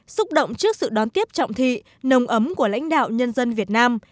súc động trước sự đón kiếp trọng thị nồng ấm của lãnh đạo nhân dân việt nam